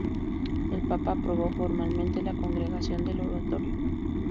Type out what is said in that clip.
El papa aprobó formalmente la Congregación del Oratorio.